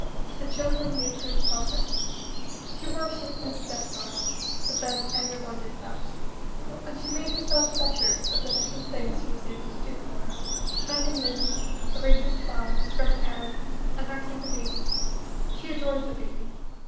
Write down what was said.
The children made good progress. She worshipped Mrs. Despard but then every one did that and she made herself pleasures of the little things she was able to do for her mending linen, arranging flowers, running errands, and nursing the Baby. She adored the Baby.